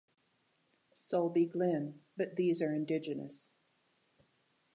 Sulby Glen, but these are indigenous.